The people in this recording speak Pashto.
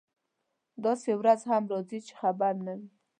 داسې ورځ هم راځي چې خبر نه وي.